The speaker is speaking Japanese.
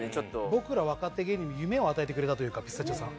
僕ら若手芸人に夢を与えてくれたというかピスタチオさん。